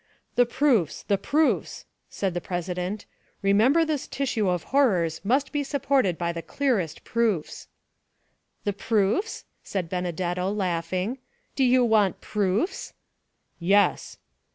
"The proofs, the proofs!" said the president; "remember this tissue of horrors must be supported by the clearest proofs." "The proofs?" said Benedetto, laughing; "do you want proofs?" "Yes."